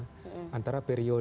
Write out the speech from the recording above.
anda menemukan data yang tersebut